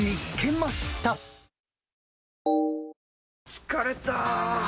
疲れた！